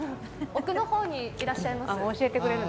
奥の方にいらっしゃいます。